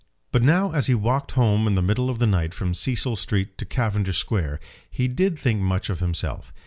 But now as he walked home in the middle of the night from Cecil Street to Cavendish Square he did think much of himself.